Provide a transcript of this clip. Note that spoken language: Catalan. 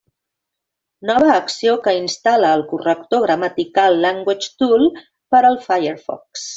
Nova acció que instal·la el corrector gramatical LanguageTool per al Firefox.